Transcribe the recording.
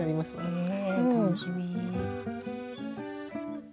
へえ楽しみ。